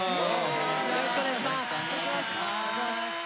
よろしくお願いします。